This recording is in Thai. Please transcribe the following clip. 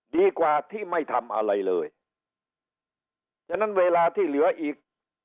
ดีกว่าที่ไม่ทำอะไรเลยฉะนั้นเวลาที่เหลืออีก